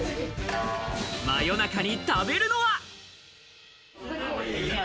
夜中に食べるのは。